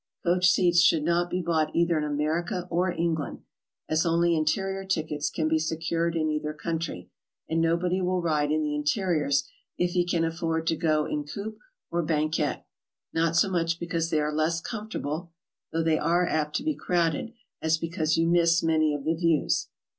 Coach seats should not be bought either in America or England, as only interieur tickets can be secured in either country, and nobody will ride in the interieurs if he can afford to go in coupe or banquette, —not so much because they are less comfortable (though they are apt to be crowded), as because you miss many of the views.